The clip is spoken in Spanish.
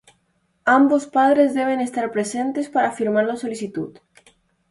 ambos padres deben estar presentes para firmar la solicitud.